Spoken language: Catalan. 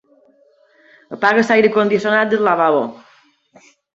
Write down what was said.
Apaga l'aire condicionat del lavabo.